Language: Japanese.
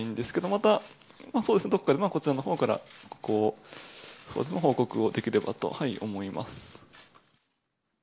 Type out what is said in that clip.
また、そうですね、どこかでこちらのほうから報告をできればと思います。